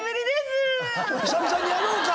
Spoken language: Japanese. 久々にやろうか！